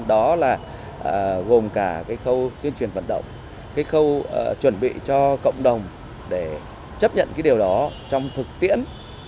đó là gồm cả cái khâu tuyên truyền vận động cái khâu chuẩn bị cho cộng đồng để chấp nhận cái điều đó trong thực tiễn